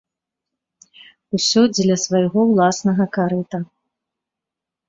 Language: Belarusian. Усё дзеля свайго ўласнага карыта.